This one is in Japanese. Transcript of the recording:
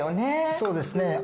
そうですね。